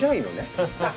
ハハハハ。